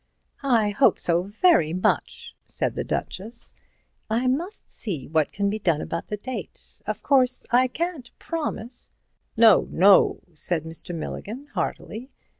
"I hope so very much," said the Duchess. "I must see what can be done about the date—of course, I can't promise—" "No, no," said Mr. Milligan heartily.